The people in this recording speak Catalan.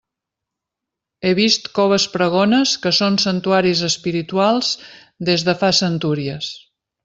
He vist coves pregones que són santuaris espirituals des de fa centúries.